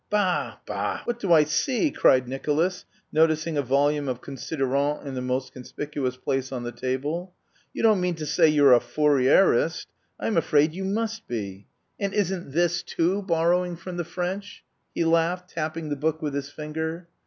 "Bah, bah! What do I see?" cried Nicolas, noticing a volume of Considérant in the most conspicuous place on the table. "You don't mean to say you're a Fourierist! I'm afraid you must be! And isn't this too borrowing from the French?" he laughed, tapping the book with his finger.